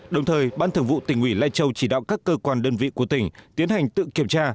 đồng thời ban thường vụ tỉnh ủy lai châu chỉ đạo các cơ quan đơn vị của tỉnh tiến hành tự kiểm tra